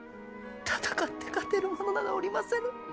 戦って勝てる者などおりませぬ！